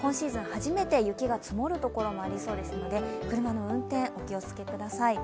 初めて雪が積もる所もありそうですので車の運転、お気をつけください。